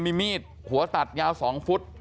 มีมีดหัวตัดยาว๒ฟุต